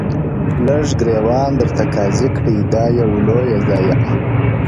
لږ ګرېوان درته قاضي کړﺉ؛ دا یو لویه ضایعه-